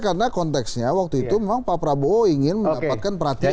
karena konteksnya waktu itu memang pak prabowo ingin mendapatkan perhatian